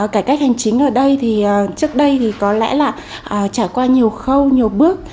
cải cách hành chính ở đây thì trước đây thì có lẽ là trải qua nhiều khâu nhiều bước